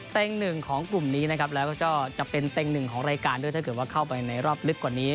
หนึ่งของกลุ่มนี้นะครับแล้วก็จะเป็นเต็งหนึ่งของรายการด้วยถ้าเกิดว่าเข้าไปในรอบลึกกว่านี้